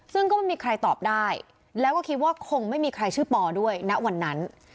ซึ่งก็ไม่มีใครตอบได้แล้วก็คิดว่าคงไม่มีใครชื่อปอด้วยณวันนั้น